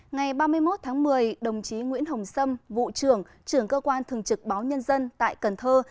ngày ba mươi một tháng một mươi đồng chí nguyễn hồng sâm vụ trưởng trưởng cơ quan thường trực báo nhân dân tại cần thơ